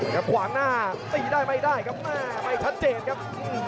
ขวางหน้าตีได้ไม่ได้ครับแม่ไม่ชัดเจนครับ